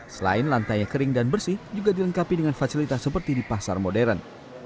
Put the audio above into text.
selain lantainya kering dan bersih juga dilengkapi dengan fasilitas seperti di pasar modern